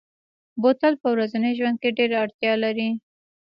بوتل په ورځني ژوند کې ډېره اړتیا لري.